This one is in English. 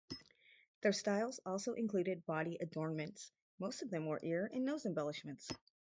Their styles also included body adornments; most of them wore ear and nose embellishments.